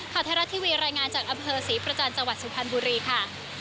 ข่าวไทยรัฐทีวีรายงานจากอศรีประจันทร์จสุพรรณบุรีค่ะ